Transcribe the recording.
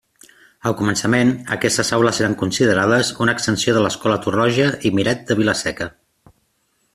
Al començament, aquestes aules eren considerades una extensió de l'escola Torroja i Miret de Vila-Seca.